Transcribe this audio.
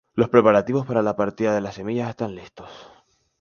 Los preparativos para la partida de las semillas están listos.